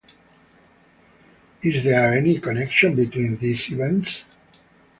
Is there any connection between these events?